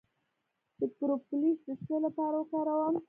د پروپولیس د څه لپاره وکاروم؟